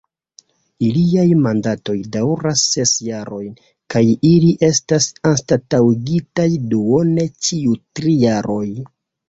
Iliaj mandatoj daŭras ses jarojn, kaj ili estas anstataŭigitaj duone ĉiu tri jaroj.